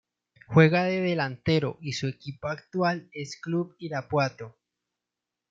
Juega de delantero y su equipo actual es Club Irapuato.